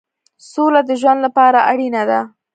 سوله د ژوند لپاره اړینه ده.